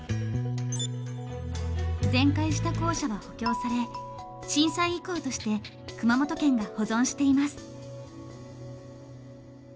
全壊した校舎は補強され震災遺構として熊本県が保存しています。